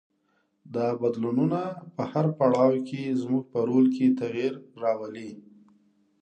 دا بدلونونه په هر پړاو کې زموږ په رول کې تغیر راولي.